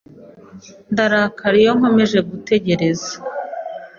Ndarakara iyo nkomeje gutegereza.